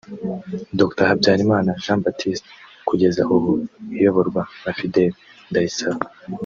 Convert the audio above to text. Dr Habyarimana Jean Baptiste kugeza ubu iyoborwa na Fidèle Ndayisaba